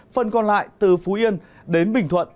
phần còn lại từ phú yên đến bình thuận